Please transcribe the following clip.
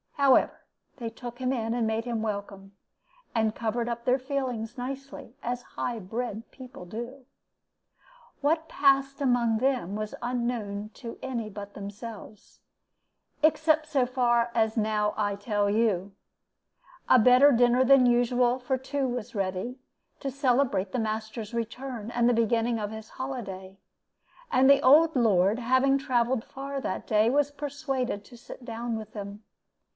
However, they took him in and made him welcome, and covered up their feelings nicely, as high bred people do. "What passed among them was unknown to any but themselves, except so far as now I tell you. A better dinner than usual for two was ready, to celebrate the master's return and the beginning of his holiday; and the old lord, having travelled far that day, was persuaded to sit down with them.